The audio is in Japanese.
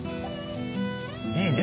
いいね